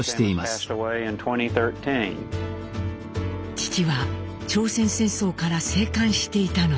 父は朝鮮戦争から生還していたのです。